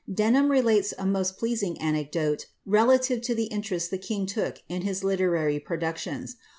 Denham relates a most pleasing anecdote relative to the interest the king took in his literary productions.